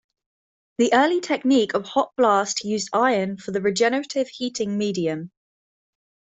The early technique of hot blast used iron for the regenerative heating medium.